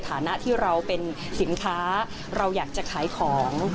ฐานะที่เราเป็นสินค้าเราอยากจะขายของ